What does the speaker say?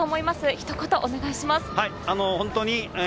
ひと言お願いします。